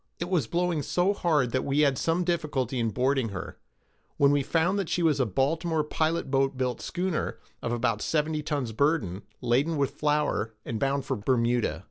It was blowing so hard that we had some difficulty in boarding her, when we found that she was a Baltimore pilot boat built schooner, of about seventy tons burden, laden with flour, and bound for Bermuda.